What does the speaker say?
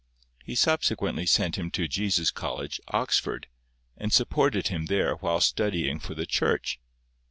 He subsequently sent him to Jesus College, Oxford, and supported him there whilst studying for the Church.